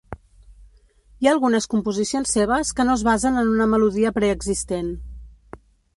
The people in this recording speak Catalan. Hi ha algunes composicions seves que no es basen en una melodia preexistent.